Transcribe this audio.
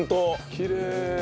きれい。